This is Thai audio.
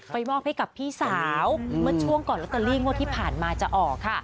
มอบให้กับพี่สาวเมื่อช่วงก่อนลอตเตอรี่งวดที่ผ่านมาจะออกค่ะ